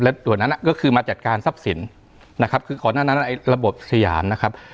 และส่วนนั้นก็คือมาจัดการทรัพย์สินนะครับคือก่อนหน้านั้นไอ้ระบบสยามนะครับ